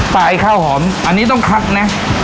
ตายข้าวหอมอันนี้ต้องคัดเนี่ย